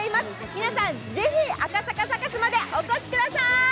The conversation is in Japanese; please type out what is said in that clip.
皆さん、ぜひ赤坂サカスまでお越しください。